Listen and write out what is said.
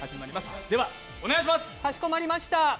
かしこまりました。